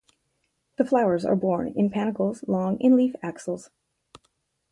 The flowers are borne in panicles long in leaf axils.